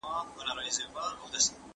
زه کولای سم سبا ته فکر وکړم